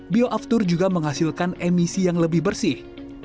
bioaftur juga menghasilkan emisi yang lebih bersih